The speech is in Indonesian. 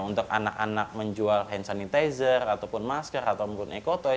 untuk anak anak menjual hand sanitizer ataupun masker ataupun ecotoy